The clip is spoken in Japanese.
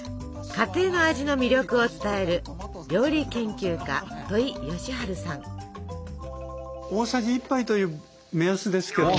家庭の味の魅力を伝える料理研究家大さじ１杯という目安ですけど。